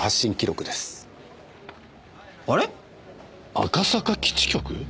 赤坂基地局？